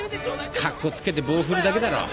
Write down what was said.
格好つけて棒振るだけだろ？